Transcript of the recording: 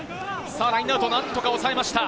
ラインアウト、何とか抑えました！